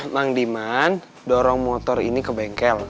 bang diman dorong motor ini ke bengkel